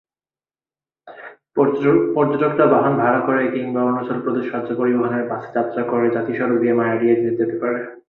পর্যটকরা বাহন ভাড়া করে কিংবা অরুণাচল প্রদেশ রাজ্য পরিবহনের বাসে যাত্রা করে জাতীয় সড়ক দিয়ে মায়োডিয়ায় যেতে পারে।